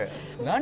「何？